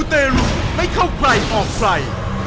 มูเตรุไม่เข้าใกล้ออกไฟ